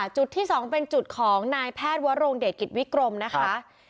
จุดที่๒เป็นจุดของนายแพทย์วรงเดชกิจวิกรมนะคะ